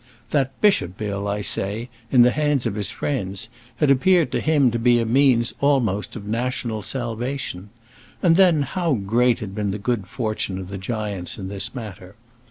that bishop bill, I say, in the hands of his friends, had appeared to him to be a means of almost national salvation. And then, how great had been the good fortune of the giants in this matter!